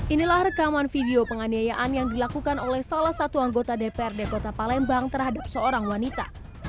inilah rekaman video penganiayaan yang dilakukan oleh salah satu anggota dprd kota palembang terhadap seorang wanita